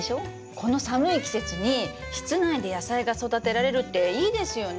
この寒い季節に室内で野菜が育てられるっていいですよね。